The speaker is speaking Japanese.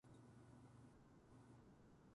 握力が弱い